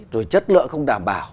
rồi chất lượng không đảm bảo